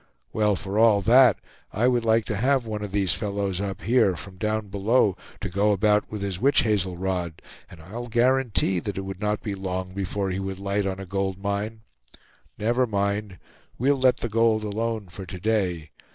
Well, for all that, I would like to have one of these fellows up here, from down below, to go about with his witch hazel rod, and I'll guarantee that it would not be long before he would light on a gold mine. Never mind; we'll let the gold alone for to day.